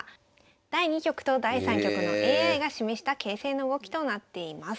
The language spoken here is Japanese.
第２局と第３局のＡＩが示した形勢の動きとなっています。